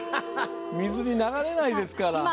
水に流れないですから。